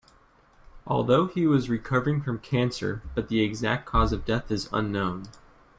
Although he was recovering from cancer but the exact cause of death is unknown.